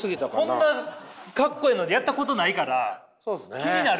こんなかっこええのでやったことないから気になるわ！